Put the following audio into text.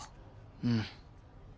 うん。